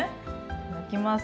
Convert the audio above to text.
いきます。